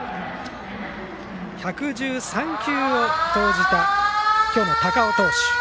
１１３球を投じた今日の高尾投手。